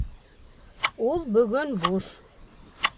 Ул бөгөн буш.